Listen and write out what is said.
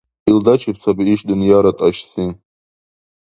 Илдачиб саби иш дунъяра тӀашси.